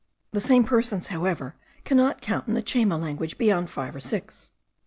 The same persons, however, cannot count in the Chayma language beyond five or six.